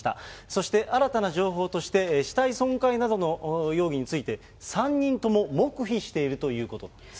そして新たな情報として、死体損壊などの容疑について、３人とも黙秘しているということです。